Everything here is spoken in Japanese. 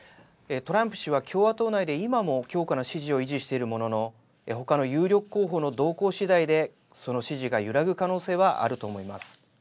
トランプ氏は共和党内で今も強固な支持を維持しているものの他の有力候補の動向次第で、その支持が揺らぐ可能性はあると思います。